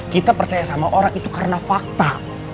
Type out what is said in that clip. kita percaya sama orang itu karena fakta